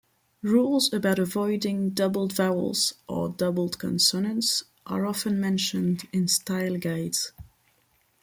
Rules about avoiding doubled vowels or doubled consonants are often mentioned in style guides.